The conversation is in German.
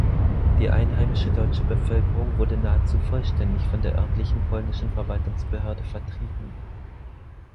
Die einheimische deutsche Bevölkerung wurde nahezu vollständig von der örtlichen polnischen Verwaltungsbehörde vertrieben.